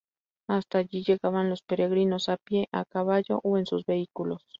Hasta allí llegaban los peregrinos a pie, a caballo o en sus vehículos.